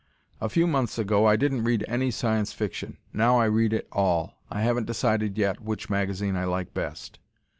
A few months ago I didn't read any Science Fiction. Now I read it all. I haven't decided yet which magazine I like best.